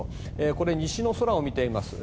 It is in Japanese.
これ、西の空を見ています。